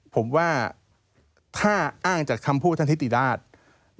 ผมว่าถ้าอ้างจากคำพูดท่านทิติราช